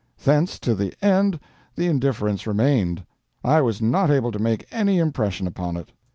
Thence to the end the indifference remained; I was not able to make any impression upon it.